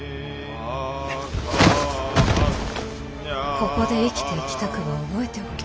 ここで生きていきたくば覚えておけ。